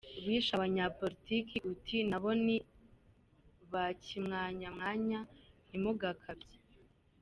– Bishe abanyapolitiki uti “na bo ni ba kimwamwanya ntimugakabye”